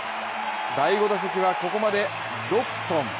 第５打席はここまで６本。